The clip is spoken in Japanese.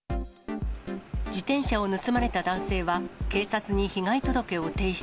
自転車を盗まれた男性は、警察に被害届を提出。